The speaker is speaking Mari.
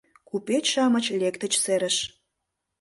Купеч-шамыч лектыч серыш.